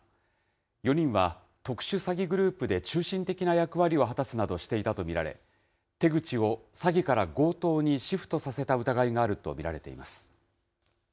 ４人は特殊詐欺グループで中心的な役割を果たすなどしていたと見られ、手口を詐欺から強盗にシフトさせた疑いがあると見られています。